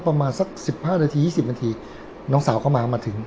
ประมาณสักสิบห้านาทียี่สิบนาทีน้องสาวก็มามาถึง